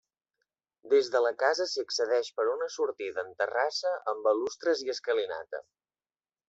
Des de la casa s'hi accedeix per una sortida en terrassa, amb balustres i escalinata.